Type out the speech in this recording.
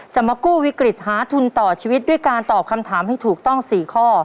จะมากู้วิกฤตหาทุนต่อชีวิตด้วยการตอบคำถามให้ถูกต้อง๔ข้อ